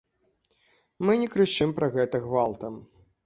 Мы не крычым пра гэта гвалтам.